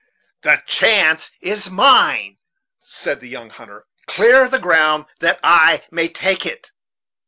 "The chance is mine," said the young hunter. "Clear the ground, that I may take it."